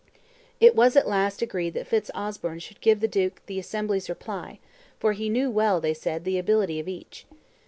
It was at last agreed that Fitz Osbern should give the duke the assembly's reply; for he knew well, they said, the ability of each.